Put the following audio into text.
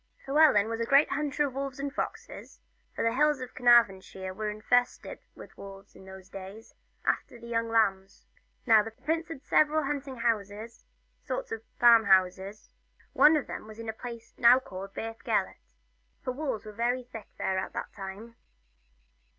Llewellyn was a great hunter of wolves and foxes, for the hills of Carnarvonshire were infested with wolves in those days, after the young lambs. Now Prince Llewellyn had several hunting houses sorts of farm houses and one of them was at the place now called Beth Gelert, for the wolves were very thick about there at the time.